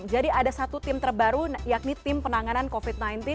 jadi ada satu tim terbaru yakni tim penanganan covid sembilan belas